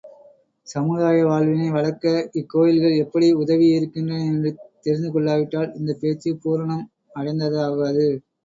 சமுதாய வாழ்வினை வளர்க்க இக்கோயில்கள் எப்படி உதவியிருக்கின்றன என்று தெரிந்து கொள்ளாவிட்டால் இந்தப் பேச்சு பூரணம் அடைந்ததாகாது.